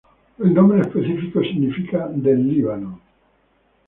El nombre específico significa "del Líbano".